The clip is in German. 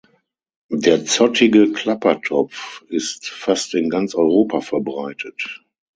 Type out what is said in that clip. Der Zottige Klappertopf ist fast in ganz Europa verbreitet.